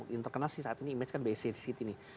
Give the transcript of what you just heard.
yang terkenal sih saat ini image kan bc di city nih